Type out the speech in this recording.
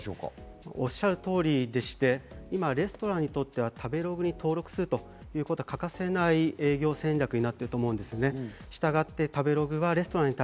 おっしゃる通りでして、今、レストランにとっては食べログに登録するということは欠かせない営業戦略になったと思うんですね。